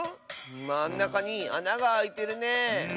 まんなかにあながあいてるね。